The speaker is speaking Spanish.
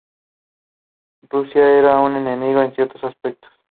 Rusia era un "enemigo en ciertos aspectos".